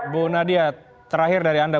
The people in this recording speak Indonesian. bu nadia terakhir dari anda